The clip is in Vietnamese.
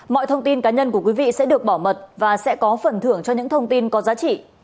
mọi thông tin cá nhân của quý vị sẽ được bảo mật và sẽ có phần thưởng cho những thông tin có giá trị